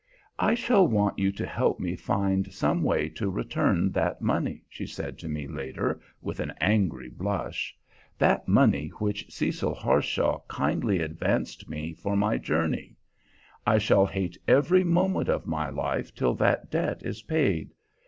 "I shall want you to help me find some way to return that money," she said to me later, with an angry blush "that money which Cecil Harshaw kindly advanced me for my journey. I shall hate every moment of my life till that debt is paid.